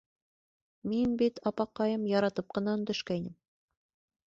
— Мин бит, апаҡайым, яратып ҡына өндәшкәйнем...